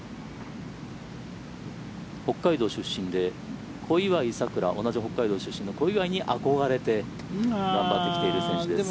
北海道出身で同じ北海道出身の小祝に憧れて頑張ってきている選手です。